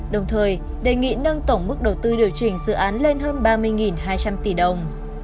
đồng thời đề nghị nâng tổng mức đầu tư điều chỉnh dự án lên hơn ba mươi hai trăm linh tỷ đồng